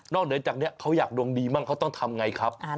นอกเหนือจากนี้เขาอยากดวงดีมั้งเขาต้องทำอย่างไรครับ